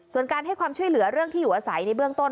ส่วนการให้ความช่วยเหลือเรื่องที่อยู่อาศัยในเบื้องต้น